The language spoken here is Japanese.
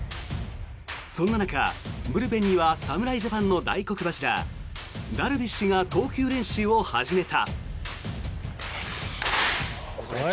そんな中、ブルペンには侍ジャパンの大黒柱ダルビッシュが投球練習を始めた。